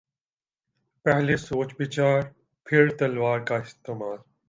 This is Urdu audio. پہلے سوچ بچار پھر تلوار کااستعمال۔